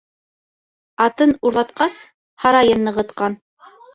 Атын урлатҡас, һарайын нығытҡан.